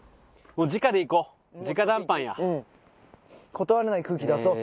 断れない空気出そう。